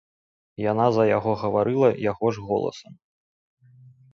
Яна за яго гаварыла яго ж голасам.